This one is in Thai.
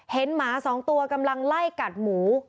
เห็นหมา๒ตัวกำลังไล่กัดหมู